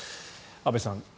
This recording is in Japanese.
安部さん。